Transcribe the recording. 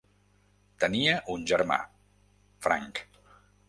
Tenia un germà, Frank.